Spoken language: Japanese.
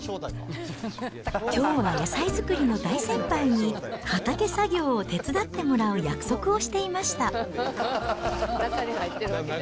きょうは野菜作りの大先輩に、畑作業を手伝ってもらう約束をしていました。